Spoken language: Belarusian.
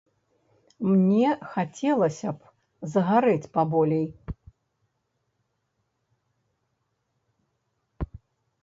Мне хацелася б загарэць паболей.